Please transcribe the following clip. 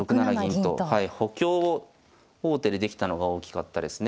はい補強を王手でできたのが大きかったですね。